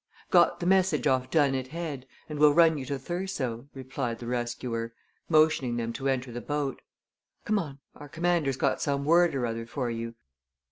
"Got the message off Dunnett Head, and we'll run you to Thurso," replied the rescuer, motioning them to enter the boat. "Come on our commander's got some word or other for you.